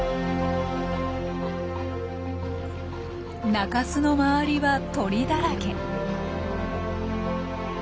中州の周りは鳥だらけ。